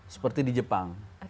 seperti di jepang